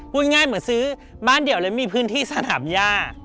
พูดง่ายเหมือนซื้อบ้านเดียวเลยมีพื้นที่สนามย่า